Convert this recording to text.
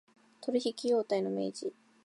取引態様の明示